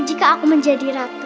jika aku menjadi ratu